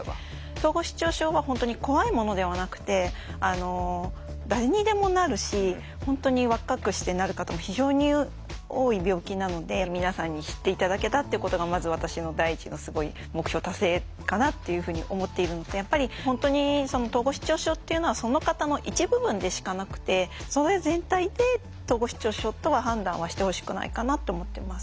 統合失調症は本当に怖いものではなくて誰にでもなるし本当に若くしてなる方も非常に多い病気なので皆さんに知って頂けたってことがまず私の第一のすごい目標達成かなっていうふうに思っているのとやっぱり本当に統合失調症っていうのはその方の一部分でしかなくてそれ全体で統合失調症とは判断はしてほしくないかなと思ってます。